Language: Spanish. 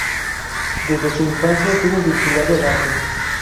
Desde su infancia estuvo vinculado al arte.